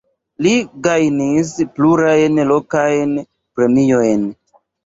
Li gajnis plurajn lokajn premiojn.